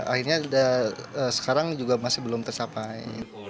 akhirnya sekarang juga masih belum tercapai